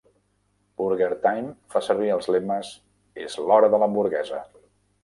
Burger Time fa servir els lemes "És l'hora de l'hamburguesa!"